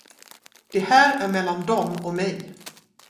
Det här är mellan dom och mig.